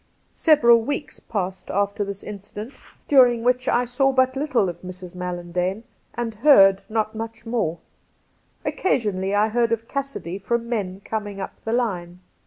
Several weeks passed after this incident, during 150 Cassidy which I saw but little of Mrs. Mallandane, and heard not much more. Occasionally I heard of Cassidy from men coming up the line.